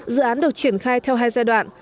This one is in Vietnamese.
dự án được triển khai theo hai giai đoạn